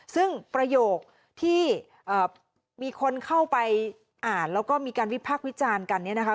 ซึ่งประโยคที่มีคนเข้าไปอ่านแล้วก็มีการวิพากษ์วิจารณ์กันเนี่ยนะคะ